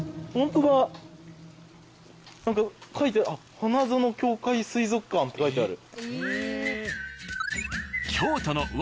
何か書いてあっ「花園教会水族館」って書いてある。